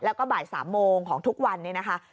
แล้วก็บ่าย๓โมงของทุกวันนี้นะคะ